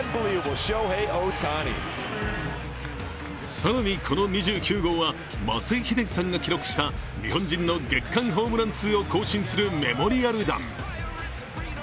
更にこの２９号は松井秀喜さんが記録した日本人の月間ホームラン数を更新するメモリアル弾。